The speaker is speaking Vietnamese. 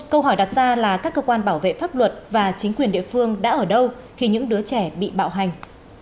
câu hỏi đặt ra là các cơ quan bảo vệ pháp luật và chính quyền địa phương đã ở đâu khi những đứa trẻ bị bạo hành